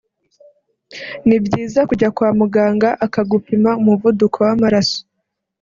ni byiza kujya kwa muganga akagupima umuvuduko w’amaraso